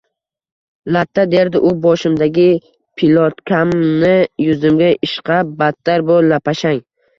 — Latta! — derdi u boshimdagi pilotkamni yuzimga ishqab. — Battar bo‘l, lapashang!